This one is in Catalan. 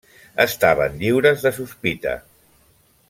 Estaven lliures de sospita.